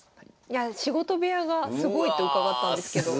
いやあ仕事部屋がすごいと伺ったんですけど。